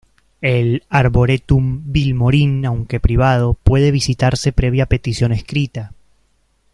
El Arboretum Vilmorin aunque privado, puede visitarse previa petición escrita.